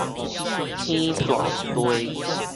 天縒地